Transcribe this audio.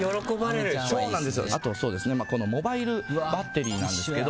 あと、このモバイルバッテリーなんですけど。